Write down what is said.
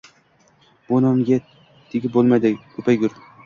Bu nonga tegib bo‘lmaydi, ko‘paygur.